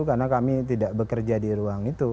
karena kami tidak bekerja di ruang itu